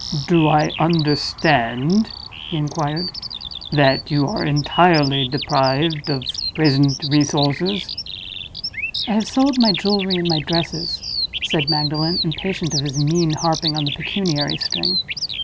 "Do I understand," he inquired, "that you are entirely deprived of present resources?" "I have sold my jewelry and my dresses," said Magdalen, impatient of his mean harping on the pecuniary string.